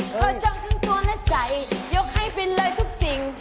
ขอจอมทั้งตัวและใจยกให้ไปเลยทุกสิ่ง